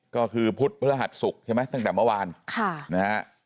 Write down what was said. ก็คือพุธพฤหัสศุกร์ใช่ไหมตั้งแต่เมื่อวานค่ะนะฮะ